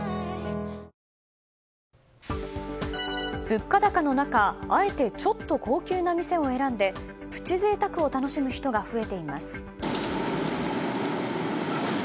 物価高の中、あえてちょっと高級な店を選んでプチ贅沢を楽しむ人が増えています。